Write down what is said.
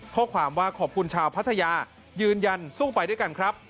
ข้อความว่าขอบคุณชาวพัทยายืนยันสู้ไปด้วยกันครับ